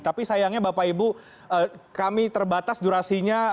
tapi sayangnya bapak ibu kami terbatas durasinya